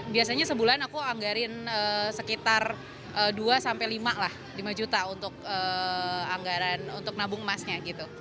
biasanya sebulan aku anggarin sekitar dua lima juta untuk nabung emasnya